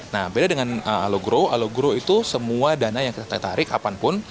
nah beda dengan alogrow alogrow itu semua dana yang kita tarik kapanpun